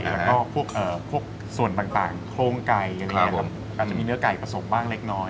แล้วก็พวกส่วนต่างโค้งไก่แล้วจะมีเนื้อไก่ประสมกันแน็กน้อย